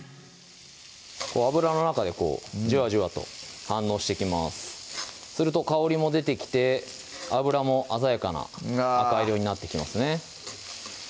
油の中でジュワジュワと反応してきますすると香りも出てきて油も鮮やかな赤色になってきますね